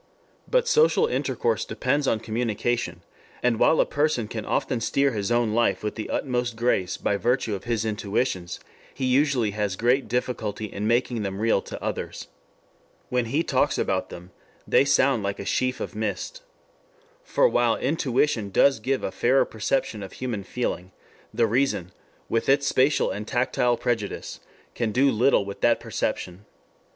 But social intercourse depends on communication, and while a person can often steer his own life with the utmost grace by virtue of his intuitions, he usually has great difficulty in making them real to others. When he talks about them they sound like a sheaf of mist. For while intuition does give a fairer perception of human feeling, the reason with its spatial and tactile prejudice can do little with that perception.